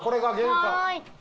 はい。